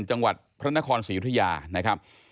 จังหวัดพระนครสีอยุธยา